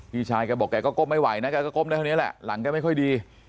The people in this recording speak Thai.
พี่ชายแกบอกแกก็ก้มไม่ไหวนะแกก็ก้มได้เท่านี้แหละหลังแกไม่ค่อยดี